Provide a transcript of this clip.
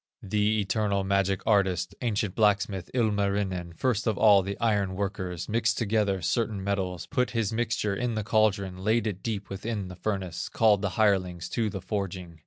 The eternal magic artist, Ancient blacksmith, Ilmarinen, First of all the iron workers, Mixed together certain metals, Put the mixture in the caldron, Laid it deep within the furnace, Called the hirelings to the forging.